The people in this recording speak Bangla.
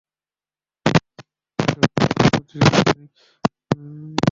ফলে ইরাক আর ইরাকী বাহিনীর উপরে ক্ষিপ্ত ছিলেন তিনি।